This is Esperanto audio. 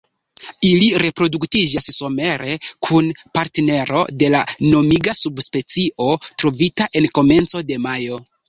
Ili reproduktiĝas somere, kun partnero de la nomiga subspecio trovita en komenco de majo.